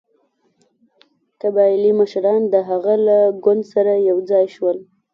قبایلي مشران د هغه له ګوند سره یو ځای شول.